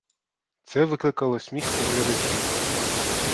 Це викликало сміх у глядачів.